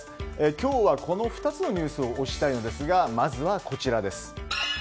今日はこの２つのニュースを推したいんですがまずはこちらです。